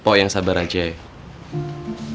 pokok yang sabar aja ya